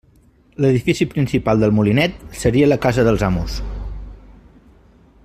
L'edifici principal del Molinet, seria la casa dels amos.